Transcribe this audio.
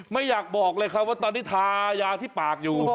ไม่อยากบอกเลยครับว่าตอนนี้ทายาที่ปากอยู่